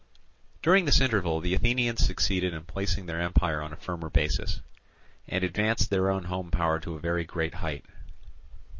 During this interval the Athenians succeeded in placing their empire on a firmer basis, and advanced their own home power to a very great height.